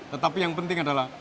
tetapi yang penting adalah